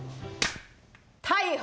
逮捕！